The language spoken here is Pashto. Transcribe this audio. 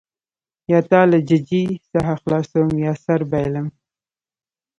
یا تا له ججې څخه خلاصوم یا سر بایلم.